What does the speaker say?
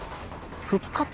復活？